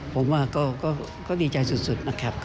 ผมว่าก็ดีใจสุดนะครับ